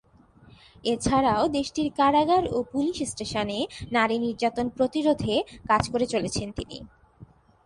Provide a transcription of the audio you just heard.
এছাড়াও, দেশটির কারাগার ও পুলিশ স্টেশনে নারী নির্যাতন প্রতিরোধে কাজ করে চলেছেন তিনি।